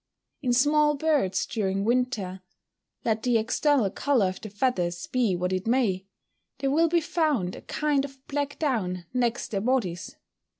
In small birds during winter, let the external colour of the feathers be what it may, there will be found a kind of black down next their bodies.